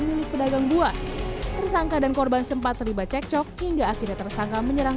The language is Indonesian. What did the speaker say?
milik pedagang buah tersangka dan korban sempat terlibat cekcok hingga akhirnya tersangka menyerang